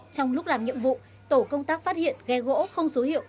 trong lúc làm nhiệm vụ tổ công tác phát hiện ghe gỗ không số hiệu